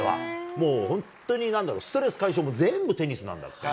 もう本当になんだろう、ストレス解消も全部テニスなんだって。